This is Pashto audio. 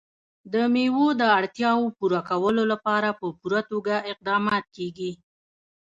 د مېوو د اړتیاوو پوره کولو لپاره په پوره توګه اقدامات کېږي.